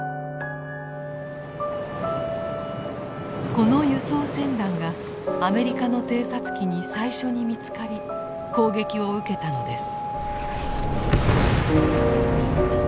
この輸送船団がアメリカの偵察機に最初に見つかり攻撃を受けたのです。